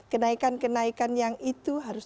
kenaikan kenaikan yang itu harus